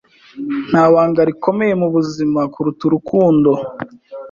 Nta banga rikomeye mubuzima kuruta urukundo.